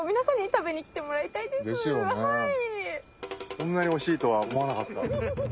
こんなにおいしいとは思わなかった。